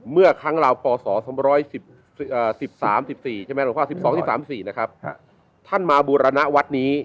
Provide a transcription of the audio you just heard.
เมื่อครั้งลาวปศ๑๓๑๔ท่านมาบูรณะวัดนี้